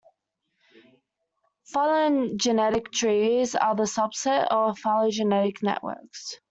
Phylogenetic trees are a subset of phylogenetic networks.